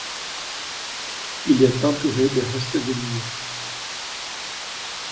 Il est entouré de restes de murs.